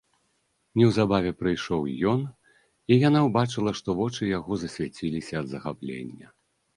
Неўзабаве прыйшоў і ён, і яна ўбачыла, што вочы яго засвяціліся ад захаплення.